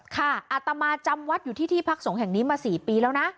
อาตมาจำวัดอยู่ที่ที่พักสงฆ์แห่งนี้มา๔ปีแล้วนะ